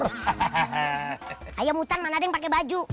hahaha ayam hutan mana ada yang pakai baju